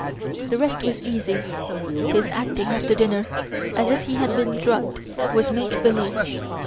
The rest was easy. His acting after dinner as if he had been drugged was make believe.